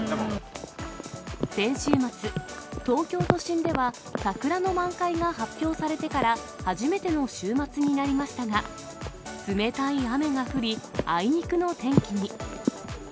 先週末、東京都心では桜の満開が発表されてから、初めての週末になりましたが、冷たい雨が降り、あいにくの天気に。